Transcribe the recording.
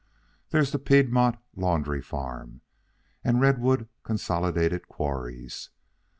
There's the Piedmont Laundry Farm, and Redwood Consolidated Quarries.